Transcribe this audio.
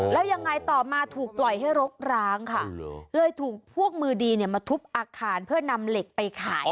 แล้วยังไงต่อมาถูกปล่อยให้รกร้างค่ะเลยถูกพวกมือดีมาทุบอาคารเพื่อนำเหล็กไปขาย